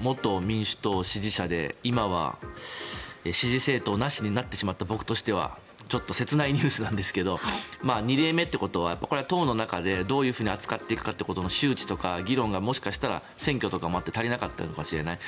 元民主党支持者で今は支持政党なしになってしまった僕としてはちょっと切ないニュースなんですが２例目ということは党の中でどういうふうに扱っていくかということの周知とか議論がもしかしたら選挙とかもあって足りなかったのかもしれない。